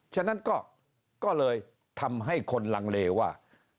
ฉะนั้นก็เลยทำให้คนลังเลว่า